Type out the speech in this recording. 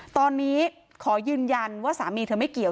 ตอนนี้ขอยืนยันว่าสามีเธอไม่เกี่ยว